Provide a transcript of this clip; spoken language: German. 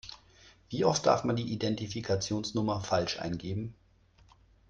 Wie oft darf man die Identifikationsnummer falsch eingeben?